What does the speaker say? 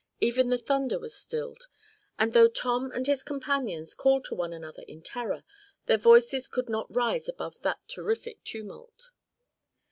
Even the thunder was stilled, and though Tom and his companions called to one another in terror, their voices could not rise above that terrific tumult.